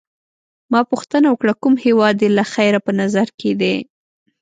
ما پوښتنه وکړه: کوم هیواد دي له خیره په نظر کي دی؟